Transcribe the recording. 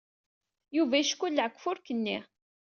Yuba yeckelleɛ deg ufurk-nni.